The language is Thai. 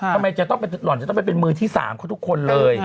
ทำไมหล่อนจะต้องเป็นมือที่๓เขาทุกคนเลย